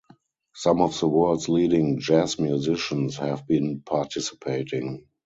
Some of the world's leading jazz musicians have been participating.